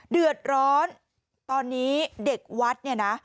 เดือดร้อนตอนนี้เด็กวัดเนี่ยนะ